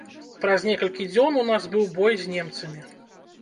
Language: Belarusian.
Праз некалькі дзён у нас быў бой з немцамі.